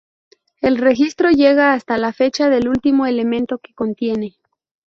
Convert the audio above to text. El registro llega hasta la fecha del último elemento que contiene.